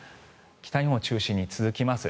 北日本を中心に続きます。